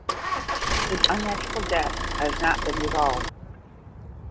His unnatural death has not been resolved.